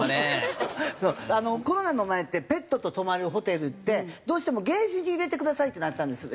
コロナの前ってペットと泊まるホテルってどうしてもケージに入れてくださいってなってたんです